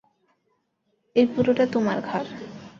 এই পুরোটা তোমার ঘর।